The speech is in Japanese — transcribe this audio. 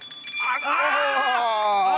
ああ！